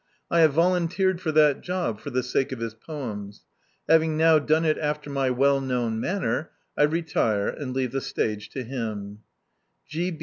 I have volunteered for that job for the sake of his poems. Having now done it after my well known manner, I retire and leave the stage to him.